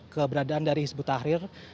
keberadaan dari hizbut tahrir